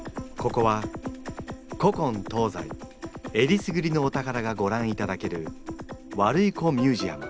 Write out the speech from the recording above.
ここは古今東西えりすぐりのお宝がごらんいただけるワルイコミュージアム。